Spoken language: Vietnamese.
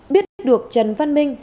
biết được trần văn minh